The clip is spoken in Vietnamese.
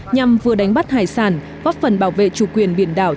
nhằm vừa đánh bắt hải sản góp phần bảo vệ chủ quyền biển đảo